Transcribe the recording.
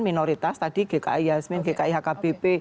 minoritas tadi gki yasmin gki hkbp